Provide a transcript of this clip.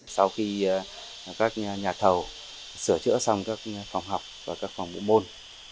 sau khi các nhà thầu sửa chữa xong các phòng học và các phòng bộ môn